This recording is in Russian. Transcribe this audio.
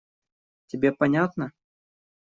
Тебе понятно?